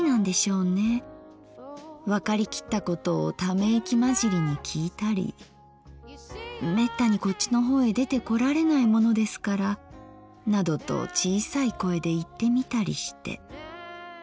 わかり切ったことを溜息まじりにきいたり『めったにこっちのほうへ出てこられないものですから』などと小さい声で言ってみたりして。